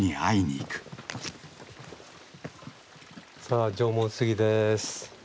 さあ縄文杉です。